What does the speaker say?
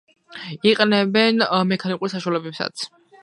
იყენებენ მექანიკურ საშუალებებსაც.